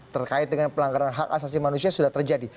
terkait dengan pelanggaran hak asasi manusia sudah terjadi